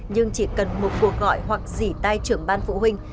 nhưng chỉ cần một cuộc gọi hoặc dỉ tai trưởng ban phụ huynh